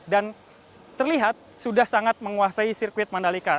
terlihat sudah sangat menguasai sirkuit mandalika